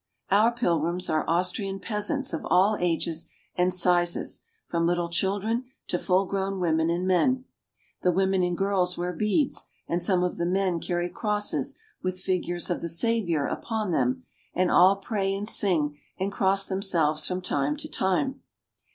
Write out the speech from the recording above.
Our pilgrims are Austrian peasants of all ages and sizes, from little children to full grown women and men. The women and girls wear beads, and some of the men carry crosses with figures of the Savior upon them, and all pray and sing, and cross themselves from time to time.